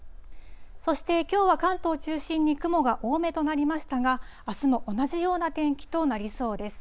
そして、きょうは関東を中心に雲が多めとなりましたが、あすも同じような天気となりそうです。